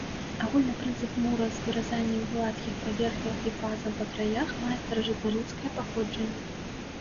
Агульны прынцып мура з выразаннем гладкіх паверхняў і пазам па краях мае старажытнарымскае паходжанне.